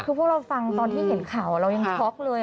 คือพวกเราฟังตอนที่เห็นข่าวเรายังช็อกเลย